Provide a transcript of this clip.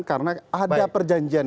karena ada perjanjian